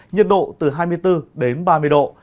nhiệt độ từ hai mươi bốn ba mươi độ